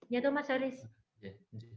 ya tomas haris